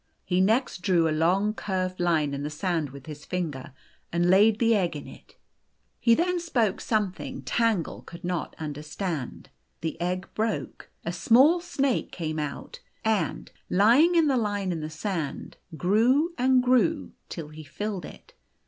He next drew a long curved line in the sand with his finger, and laid the egg in it. He then spoke something Tangle could not understand. The egg broke, a small snake came out, and, lying in the line in the sand, grew and grew till he filled it.